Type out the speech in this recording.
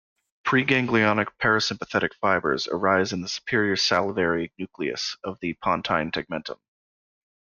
Preganglionic parasympathetic fibres arise in the superior salivary nucleus of the pontine tegmentum.